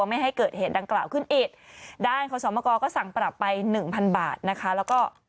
ถ้าเกิดอย่างงี้คือทำไงคะ